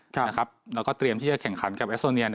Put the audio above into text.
แล้วก็เตรียมที่จะแข่งขันกับเอสโซเนีย